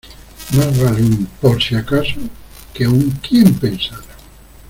Más vale un "por si acaso" que un "quien pensara".